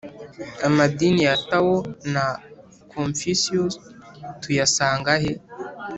amadini ya tao na confucius tuyasanga he?